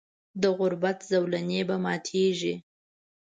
د غربت زولنې به ماتیږي.